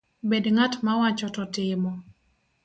Bed ng’at mawacho to timo